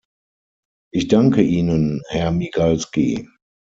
Ich danke Ihnen, Herr Migalski.